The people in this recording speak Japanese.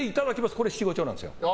これ七五調なんです。